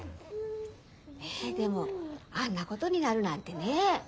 ねえでもあんなことになるなんてね。